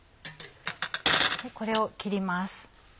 これを切ります。